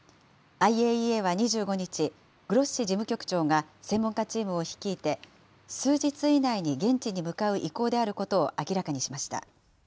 ＩＡＥＡは２５日、グロッシ事務局長が、専門家チームを率いて、数日以内に現地に向かう意向であることを明らかにしました。